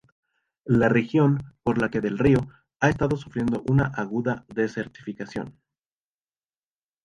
La región por la que del río ha estado sufriendo una aguda desertificación.